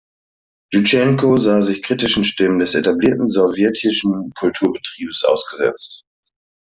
Jewtuschenko sah sich kritischen Stimmen des etablierten sowjetischen Kulturbetriebs ausgesetzt.